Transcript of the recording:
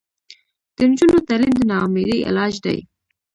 د نجونو تعلیم د ناامیدۍ علاج دی.